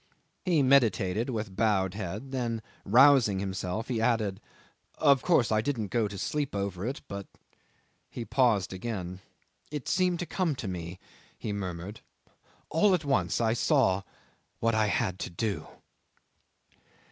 He meditated with bowed head, then rousing himself he added '"Of course I didn't go to sleep over it, but ..." He paused again. "It seemed to come to me," he murmured. "All at once I saw what I had to do